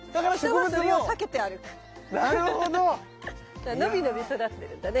だから伸び伸び育ってるんだね